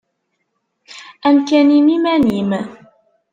Amkan-im iman-im.